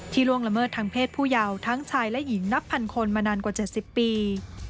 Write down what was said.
ล่วงละเมิดทางเพศผู้ยาวทั้งชายและหญิงนับพันคนมานานกว่า๗๐ปี